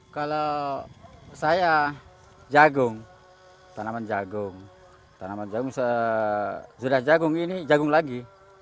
kalau saya jagung tanaman jagung tanaman jagung sudah jagung ini jagung lagi